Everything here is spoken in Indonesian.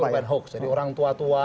jadi korban hoax jadi orang tua tua